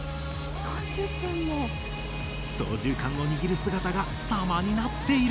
操縦桿を握る姿がサマになっている！